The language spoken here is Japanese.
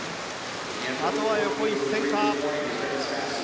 あとは横一線か。